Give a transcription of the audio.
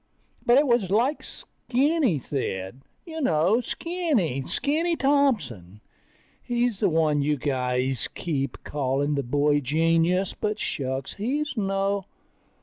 But it was like Skinny said ... You know, Skinny. Skinny Thompson. He's the one you guys keep calling the boy genius, but shucks, he's no